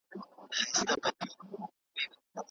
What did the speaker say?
د افغانستان غالۍ د سوداګرۍ په ډګر کې د هېواد یو مهم هویت دی.